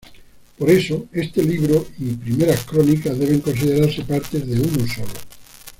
Por eso, este libro y I Crónicas deben considerarse partes de uno solo.